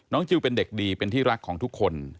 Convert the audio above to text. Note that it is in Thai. จิลเป็นเด็กดีเป็นที่รักของทุกคน